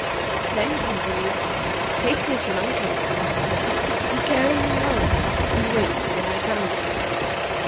Then he continued, 'Take this monkey I bought for thee and carry him home and wait till I come to thee.'